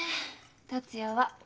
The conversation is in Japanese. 達也は。